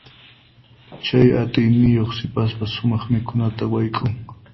Chay atiyniyuq sipasqa sumaq mikhunata wayk'un.